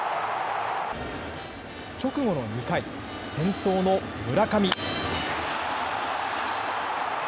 直後の２回、先頭の村上。